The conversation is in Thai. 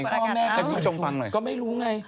ความกฎอากาศสูงก็ไม่รู้ไง